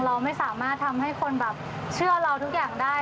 เราไม่สามารถทำให้คนแบบเชื่อเราทุกอย่างได้